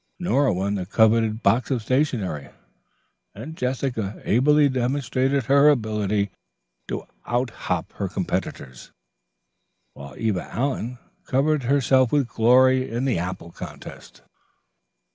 Nora won the coveted box of stationery. Jessica ably demonstrated her ability to outhop her competitors, while Eva Allen covered herself with glory in the apple contest.